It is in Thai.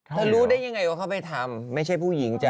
เธอรู้ได้ยังไงว่าเขาไปทำไม่ใช่ผู้หญิงจ้